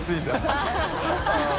ハハハ